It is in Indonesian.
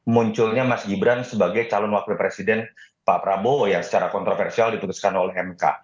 munculnya mas gibran sebagai calon wakil presiden pak prabowo yang secara kontroversial dituliskan oleh mk